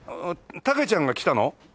タケちゃんが来たの？